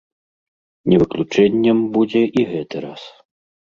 Не выключэннем будзе і гэты раз.